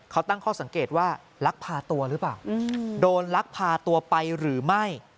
เขาตั้งข้อสังเกตว่าลักพาตัวหรือเปล่าโดนลักพาตัวไปหรือไม่